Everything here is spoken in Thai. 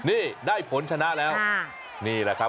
นี่ได้ผลชนะแล้วนี่แหละครับ